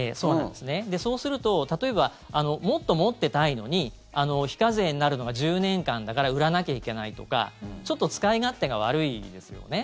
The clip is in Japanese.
で、そうすると、例えばもっと持ってたいのに非課税になるのが１０年間だから売らなきゃいけないとかちょっと使い勝手が悪いですよね。